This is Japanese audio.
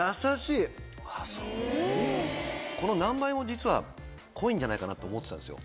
この何倍も実は濃いんじゃないかなと思ってたんですよ。